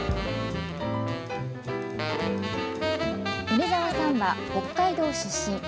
米澤さんは北海道出身。